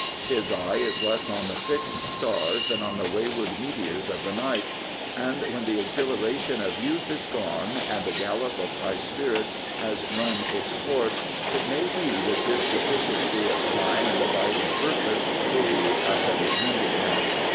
His eye is less on the fixed stars than on the wa)nvard meteors of the night. And when the exhilaration of youth is gone, and the gallop of high spirits has run its course, it may be that this deficiency of high and abiding purpose will be a heavy handicap.